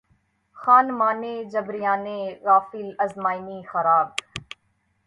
خانمانِ جبریانِ غافل از معنی خراب!